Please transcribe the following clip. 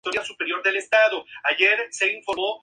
Pese a ello, siguen conservándose algunos en la actualidad.